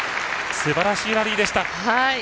すばらしいラリーでした。